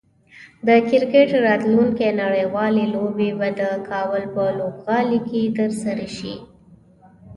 د کرکټ راتلونکی نړیوالې لوبې به د کابل په لوبغالي کې ترسره شي